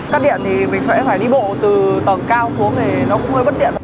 cắt điện thì mình sẽ phải đi bộ từ tầng cao xuống thì nó cũng hơi bất tiện